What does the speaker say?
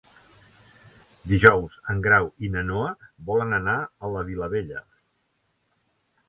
Dijous en Grau i na Noa volen anar a la Vilavella.